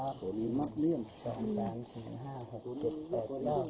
แล้วก็พอมาเจอรู้สึกยังไงบ้างครับตกใจตื่นมาเมื่อเช้า